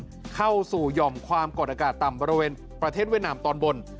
เข้าสู่หย่อมความกดอากาศต่ำบริเวณประเทศเวียดนามตอนบน